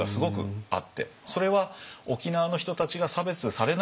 それは沖縄の人たちが差別されないように。